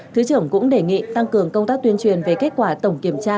thứ trưởng cũng đề nghị tăng cường công tác tuyên truyền về kết quả tổng kiểm tra